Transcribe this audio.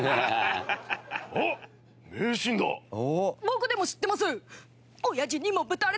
僕でも知ってます！